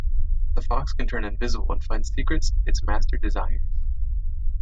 The fox can turn invisible and find secrets its master desires.